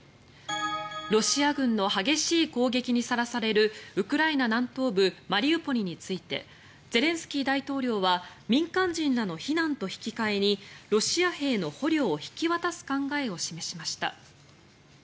ロシア軍の激しい攻撃にさらされるウクライナ南東部マリウポリについてゼレンスキー大統領は民間人らの避難と引き換えにロシア兵の捕虜を引き渡す考えを示しました。